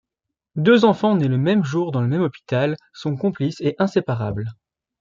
Deux enfants nés le même jour dans le même hôpital sont complices et inséparables.